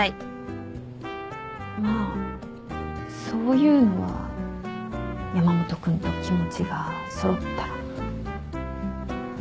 まあそういうのは山本君と気持ちが揃ったらね。